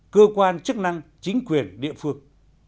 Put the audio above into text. cơ quan chức năng chính quyền địa phương